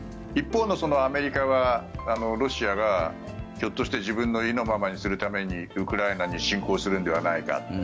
一方のアメリカはロシアがひょっとして自分の意のままにするためにウクライナに侵攻するんではないか。